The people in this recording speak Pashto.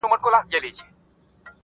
o چي په اخره کې مرداره نه کي پښتون نه دئ.